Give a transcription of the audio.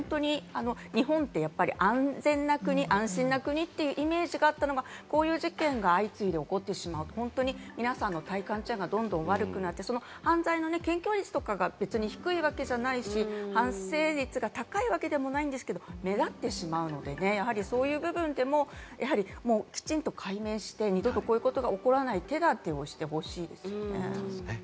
日本って安全な国、安心な国っていうイメージがあったのがこういう事件が相次いで起こってしまうと皆さんの体感治安が悪くなって、犯罪の検挙率とかが別に低いわけじゃないし、犯罪率が高いわけじゃないんですけど、目立ってしまうので、そういう部分でもきちんと解明して、二度とこういうことが起こらない手だてをしてほしいですね。